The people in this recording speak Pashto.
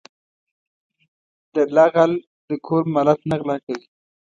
دله غل د کور مالت نه غلا کوي .